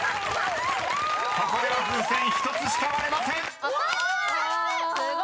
［ここでは風船１つしか割れません］